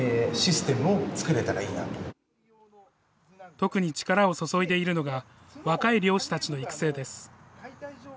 特に力を注いでいるのが、若い猟師たちの育成です。